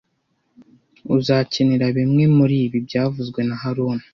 Uzakenera bimwe muribi byavuzwe na haruna